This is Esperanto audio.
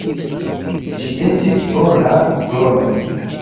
Ĝi estis ora krono.